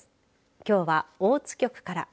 きょうは、大津局から。